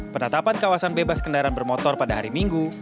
penetapan kawasan bebas kendaraan bermotor pada hari minggu